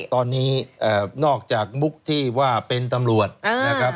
ตอนนี้นอกจากมุกที่ว่าเป็นตำรวจนะครับ